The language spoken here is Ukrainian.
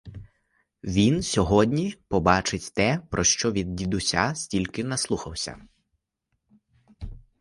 Він сьогодні побачить те, про що від дідуся стільки наслухався.